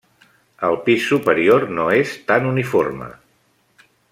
El pis superior no és tan uniforme.